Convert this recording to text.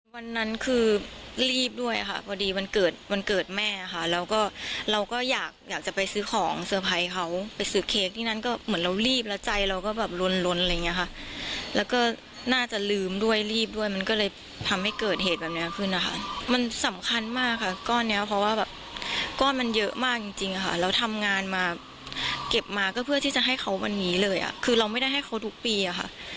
วันนั้นคือรีบด้วยค่ะพอดีวันเกิดวันเกิดแม่ค่ะแล้วก็เราก็อยากอยากจะไปซื้อของเซอร์ไพรเขาไปซื้อเค้กที่นั้นก็เหมือนเรารีบแล้วใจเราก็แบบล้นล้นอะไรอย่างเงี้ยค่ะแล้วก็น่าจะลืมด้วยรีบด้วยมันก็เลยทำให้เกิดเหตุแบบเนี้ยขึ้นอ่ะค่ะมันสำคัญมากค่ะก้อนเนี้ยเพราะว่าแบบก้อนมันเยอะมากจ